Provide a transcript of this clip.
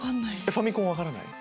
ファミコン分からない？